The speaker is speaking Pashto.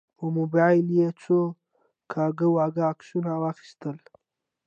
پر موبایل یې څو کاږه واږه عکسونه واخیستل.